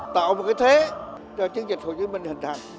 tạo một cái thế cho chiến dịch hồ chí minh hình thành